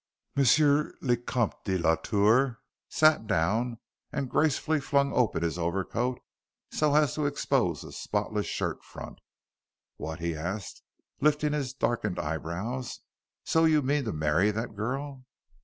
Monsieur le Comte de la Tour sat down and gracefully flung open his overcoat, so as to expose a spotless shirt front. "What?" he asked, lifting his darkened eyebrows, "so you mean to marry that girl?"